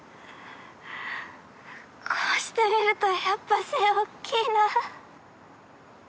こうしてみるとやっぱ背大きいな。